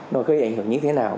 nó gây ảnh hưởng như thế nào